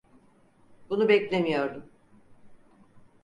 Bunu beklemiyordum.